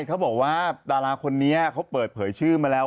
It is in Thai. เขาบอกว่าดาราคนนี้เขาเปิดเผยชื่อมาแล้ว